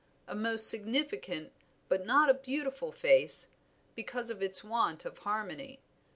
A most significant but not a beautiful face, because of its want of harmony.